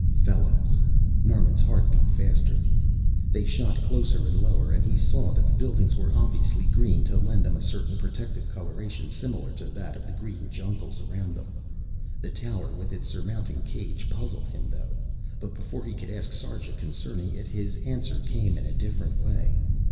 Fellows! Norman's heart beat faster. They shot closer and lower and he saw that the buildings were obviously green to lend them a certain protective coloration similar to that of the green jungles around them. The tower with its surmounting cage puzzled him though, but before he could ask Sarja concerning it his answer came in a different way.